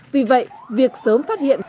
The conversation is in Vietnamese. vì vậy việc sớm phát hiện